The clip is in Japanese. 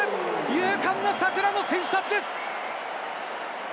勇敢な桜の戦士たちです！